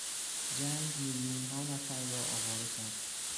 جنگ میلیونها نفر را آواره کرد.